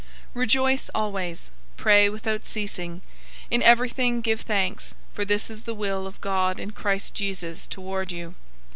005:016 Rejoice always. 005:017 Pray without ceasing. 005:018 In everything give thanks, for this is the will of God in Christ Jesus toward you.